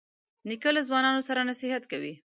نیکه له ځوانانو سره نصیحت کوي.